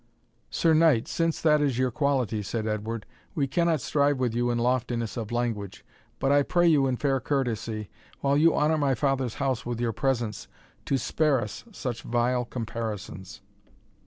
"Sir Knight, since that is your quality," said Edward, "we cannot strive with you in loftiness of language; but I pray you in fair courtesy, while you honour my father's house with your presence, to spare us such vile comparisons."